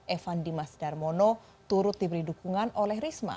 evan dimas darmono turut diberi dukungan oleh risma